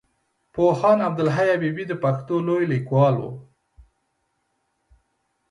پوهاند عبدالحی حبيبي د پښتو لوی ليکوال وو.